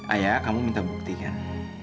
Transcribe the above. ayat kamu minta buktikan